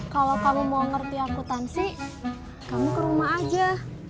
kalau kamu mau ngerti akutansi kamu ke rumah aja